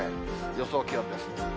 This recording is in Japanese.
予想気温です。